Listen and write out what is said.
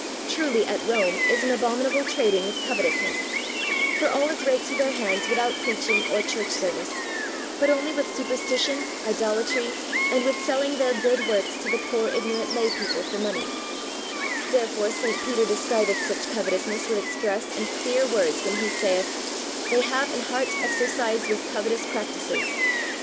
Truly at Rome is an abominable trading with covetousness, for all is raked to their hands without preaching or church service, but only with superstition, idolatry, and with selling their good works to the poor ignorant lay people for money; therefore St. Peter describeth such covetousness with express and clear words when he saith, "They have an heart exercised with covetous practices."